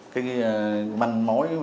cái manh mối